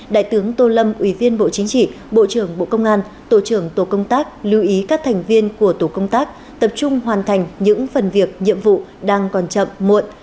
đại tướng tô lâm ủy viên bộ chính trị bộ trưởng bộ công an tổ trưởng tổ công tác lưu ý các thành viên của tổ công tác tập trung hoàn thành những phần việc nhiệm vụ đang còn chậm muộn